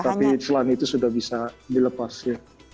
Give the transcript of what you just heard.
tapi selain itu sudah bisa dilepas ya